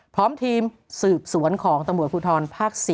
พร้อมทีมสืบสวนของตำรวจภูทรภาค๔